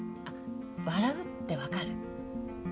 あっ笑うってわかる？